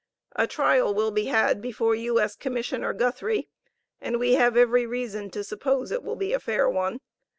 A trial will be had before U.S. Commissioner Guthrie, and we have every reason to suppose it will be a fair one.